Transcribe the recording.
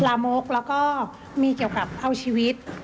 ลามกแล้วก็มีเกี่ยวกับเอาชีวิต